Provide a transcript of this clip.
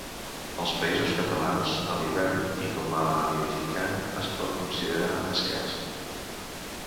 Als Països Catalans, a l'hivern i com a nidificant es pot considerar escàs.